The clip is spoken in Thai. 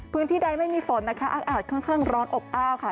พื้นที่ใดไม่มีฝนอากอาจค่อนร้อนอบอ้าวค่ะ